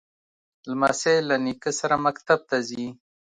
لمسی له نیکه سره مکتب ته ځي.